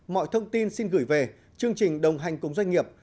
mọi thông tin xin gửi về chương trình đồng hành cùng doanh nghiệp